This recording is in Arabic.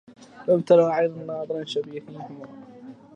لم تَر عينا ناظرٍ شبهيهما